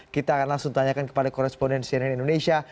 kita akan langsung tanyakan kepada korespondensi dari indonesia